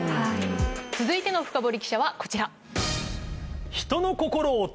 続いてのフカボリ記者はこちら。